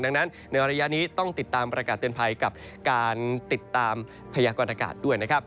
ดังนั้นในระยะนี้ต้องติดตามประกาศเตือนภัยกับการติดตามพยากรณากาศด้วยนะครับ